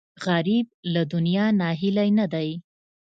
غریب له دنیا ناهیلی نه دی